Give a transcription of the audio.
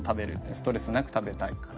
ストレスなく食べたいから。